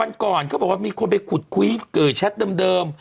วันก่อนเขาบอกว่ามีคนไปขุดคุยแชทเดิม